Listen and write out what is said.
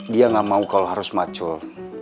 dia gak mau kalau harus macul